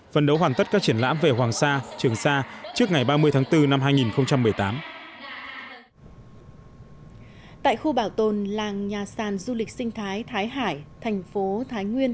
văn hóa lịch sử sinh thái thái nguyên